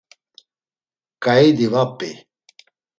K̆aidi va p̌i.